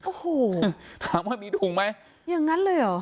โอ้โหถามว่ามีถุงไหมอย่างนั้นเลยเหรอ